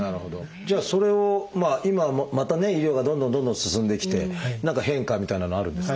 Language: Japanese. じゃあそれを今またね医療がどんどんどんどん進んできて何か変化みたいなのはあるんですか？